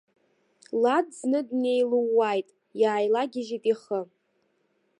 Лад зны днеилууааит, иааилагьежьит ихы.